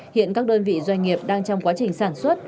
hiện các đơn vị doanh nghiệp đang trong quá trình sản xuất